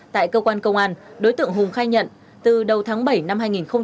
tại cơ quan công an đối tượng hùng khai nhận từ đầu tháng bảy năm hai nghìn hai mươi ba